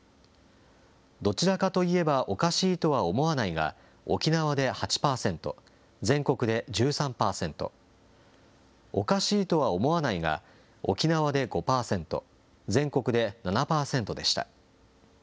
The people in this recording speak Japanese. どちらかといえばおかしいとは思わないが沖縄で８％、全国で１３％、おかしいとは思わないが沖縄で５％、全国で７％でした。